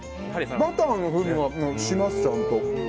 バターの風味はします、ちゃんと。